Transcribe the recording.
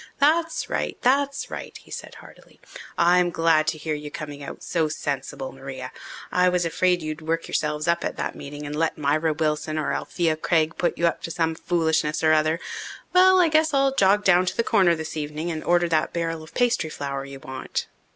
"That's right that's right," he said heartily. "I'm glad to hear you coming out so sensible, Maria. I was afraid you'd work yourselves up at that meeting and let Myra Wilson or Alethea Craig put you up to some foolishness or other. Well, I guess I'll jog down to the Corner this evening and order that barrel of pastry flour you want."